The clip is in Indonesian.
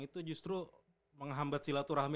itu justru menghambat silaturahmi